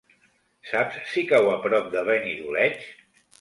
Saps si cau a prop de Benidoleig?